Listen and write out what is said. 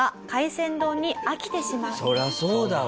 そりゃそうだわ。